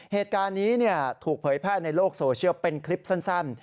เหตุการณ์นี้ถูกเผยแพร่ในโลกโซเชียลเป็นคลิปสั้น